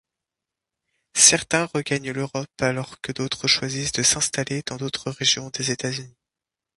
Certains regagnent l’Europe alors que d’autres choisissent de s’installer dans d’autres régions des États-Unis.